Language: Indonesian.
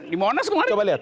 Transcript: di monas kemarin